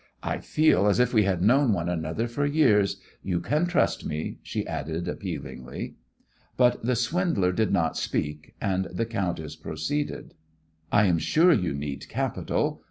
"I feel as if we had known one another for years; you can trust me," she added, appealingly. But the swindler did not speak, and the countess proceeded: "I am sure you need capital.